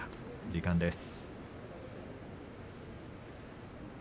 時間です。